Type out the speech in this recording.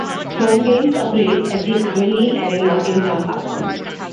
Home games are played at the Amalie Arena in Tampa.